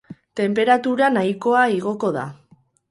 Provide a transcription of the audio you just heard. Tenperatura nahikoa igoko da.